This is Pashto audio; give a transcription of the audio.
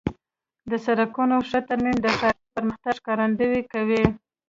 د سړکونو ښه ترمیم د ښاري پرمختګ ښکارندویي کوي.